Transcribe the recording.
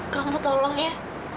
kamu tolong ya